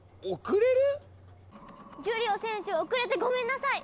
遅れる⁉ジュリオ船長遅れてごめんなさい！